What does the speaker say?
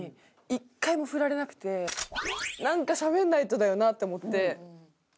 なんかしゃべんないとだよなって思って。